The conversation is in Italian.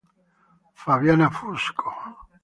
Fabiana Fusco